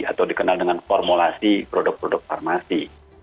atau dikenal dengan formulasi produk produk farmasi